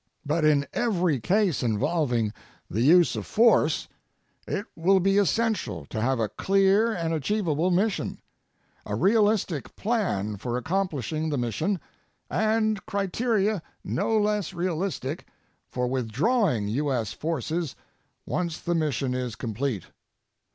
But in every case involving the use of force, it will be essential to have a clear and achievable mission, a realistic plan for accomplishing the mission, and criteria no less realistic for withdrawing U.S. forces once the mission is complete.